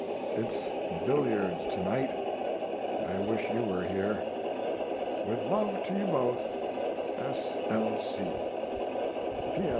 It's billiards to night. I wish you were here. With love to you both, S. L.